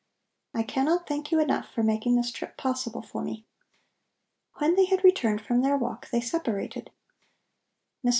I cannot thank you enough for making this trip possible for me." When they had returned from their walk they separated. Mr.